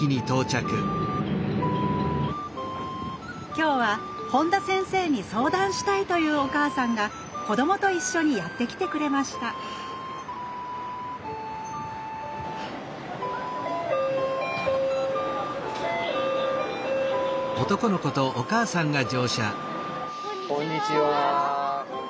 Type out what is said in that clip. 今日は本田先生に相談したいというお母さんが子どもと一緒にやって来てくれましたこんにちは。